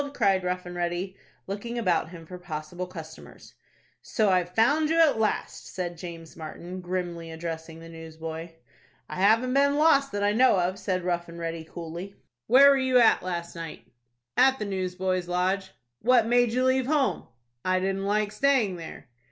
cried Rough and Ready, looking about him for possible customers. "So I've found you at last," said James Martin, grimly addressing the newsboy. "I haven't been lost that I know of," said Rough and Ready, coolly. "Where were you last night?" "At the Newsboys' Lodge." "What made you leave home?" "I didn't like staying there."